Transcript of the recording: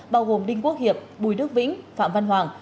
bao gồm đinh quốc hiệp bùi đức vĩnh phạm văn hoàng